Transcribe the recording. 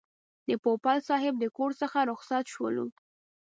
د پوپل صاحب د کور څخه رخصت شولو.